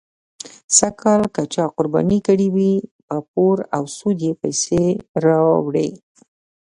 سږکال که چا قرباني کړې وي، په پور او سود یې پیسې راوړې.